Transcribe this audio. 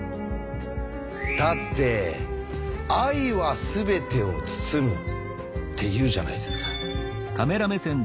だって「ｉはすべてを包む」って言うじゃないですか。